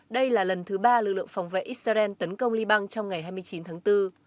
đây là lần thứ ba lực lượng phòng vệ israel tấn công liban trong ngày hai mươi chín tháng bốn